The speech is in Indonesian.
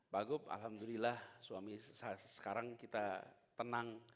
bagob alhamdulillah suami saya sekarang kita tenang